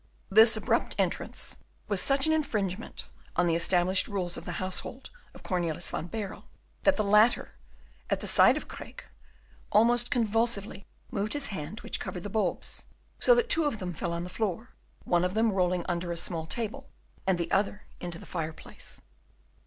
This abrupt entrance was such an infringement on the established rules of the household of Cornelius van Baerle, that the latter, at the sight of Craeke, almost convulsively moved his hand which covered the bulbs, so that two of them fell on the floor, one of them rolling under a small table, and the other into the fireplace.